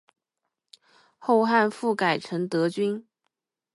后汉复改成德军。